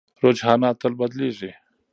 رجحانات تل بدلېږي.